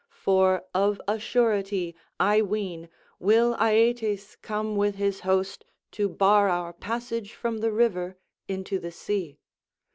For of a surety, I ween, will Aeetes come with his host to bar our passage from the river into the sea.